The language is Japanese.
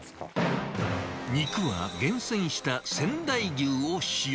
肉は厳選した仙台牛を使用。